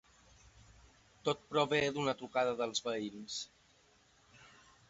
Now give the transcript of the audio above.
Tot prové d’una trucada dels veïns.